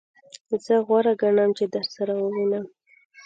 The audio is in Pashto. زه غوره ګڼم چی درسره ووینم.